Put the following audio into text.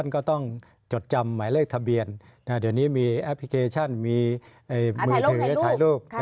ก็ต้องจดจำหมายเลขทะเบียนเดี๋ยวนี้มีแอปพลิเคชันมีมือถือถ่ายรูป